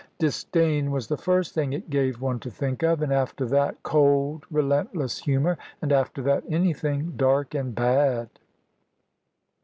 Disdain was the first thing it gave one to think of; and after that, cold relentless humour; and after that, anything dark and bad.